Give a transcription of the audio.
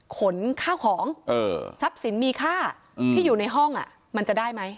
ขนข้าวของทรัพย์สินมีค่าที่อยู่ในห้องมันจะได้ไหม